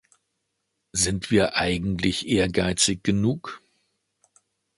Sind wir eigentlich ehrgeizig genug?